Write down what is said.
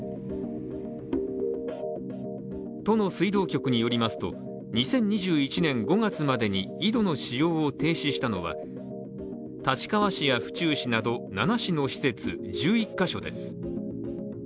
都の水道局によりますと２０２１年５月までに井戸の使用を停止したのは、立川市や府中市など７市の施設１１か所です。